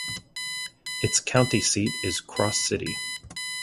Its county seat is Cross City.